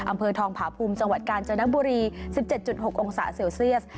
อำเภอทองผาภูมิจังหวัดการเจอนักบุรีสิบเจ็ดจุดหกองศาเซลเซียส